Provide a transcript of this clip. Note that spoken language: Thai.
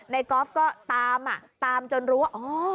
กอล์ฟก็ตามตามจนรู้ว่าอ๋อ